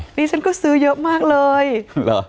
นี่ฉันก็ซื้อเยอะมากเลยเหรอ